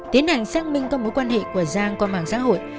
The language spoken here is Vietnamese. tiến hành xác minh các mối quan hệ của giang qua mạng xã hội